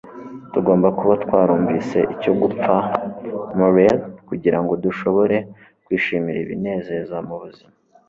tugomba kuba twarumvise icyo gupfa, morrel, kugirango dushobore kwishimira ibinezeza mubuzima